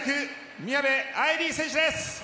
宮部藍梨選手です。